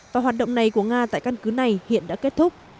và hoạt động này của nga tại căn cứ này hiện đã kết thúc